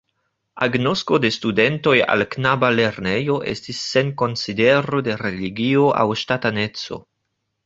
Agnosko de studentoj al knaba lernejo estis sen konsidero de religio aŭ ŝtataneco.